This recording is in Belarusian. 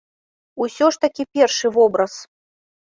Усё ж такі першы вобраз.